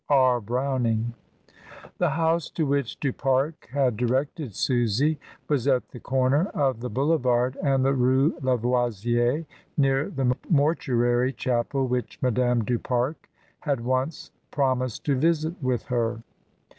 R. Browning. The house to which Du Pare had directed Susy was at the comer of the boulevard and the Rue Lavoisier, near the mortuary chapel which Madame du Pare had once promised to visit with her.